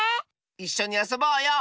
いっしょにあそぼうよ。